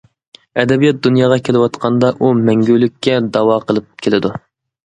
ئەدەبىيات دۇنياغا كېلىۋاتقاندا ئۇ مەڭگۈلۈككە داۋا قىلىپ كېلىدۇ.